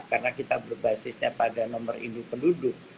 karena kita berbasisnya pada nomor induk penduduk